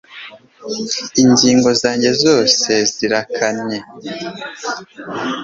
ingingo zanjye zose zarekanye